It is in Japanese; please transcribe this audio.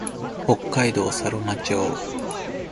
北海道佐呂間町